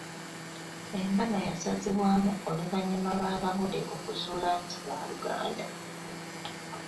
Embaga yasazibwamu oluvannyuma lw'abagole okuzuula nti baaluganda.